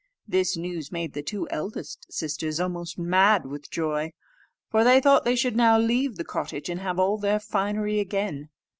This news made the two eldest sisters almost mad with joy; for they thought they should now leave the cottage, and have all their finery again.